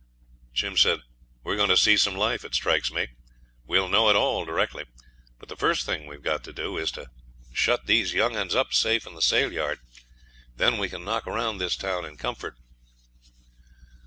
'We're going to see some life, it strikes me,' says he. 'We'll know it all directly. But the first thing we've got to do is to shut these young 'uns up safe in the sale yard. Then we can knock round this town in comfort.'